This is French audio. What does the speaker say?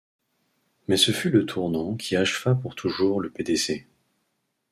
Mais ce fut le tournant qui acheva pour toujours le Pdc.